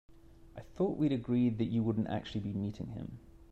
I thought we'd agreed that you wouldn't actually be meeting him?